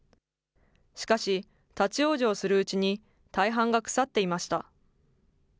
しかし、立往生するうちに大半が腐っていました。